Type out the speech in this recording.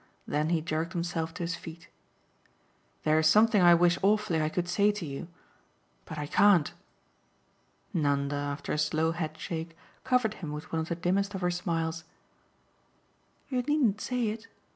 Then he jerked himself to his feet. "There's something I wish awfully I could say to you. But I can't." Nanda, after a slow headshake, covered him with one of the dimmest of her smiles. "You needn't say it.